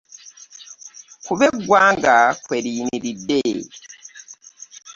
Kuba eggwanga kwe liyimiridde.